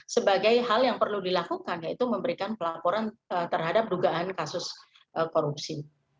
sebagai hal yang perlu dilakukan yaitu memberikan pelaporan terhadap dugaan kasus korupsi